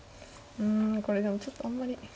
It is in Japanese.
うんこれでもちょっとあんまり。